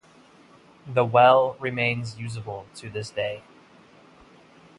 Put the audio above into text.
The well remains usable to this day.